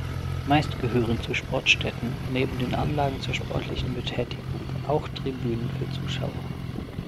Meist gehören zu Sportstätten neben den Anlagen zur sportlichen Betätigung auch Tribünen für Zuschauer.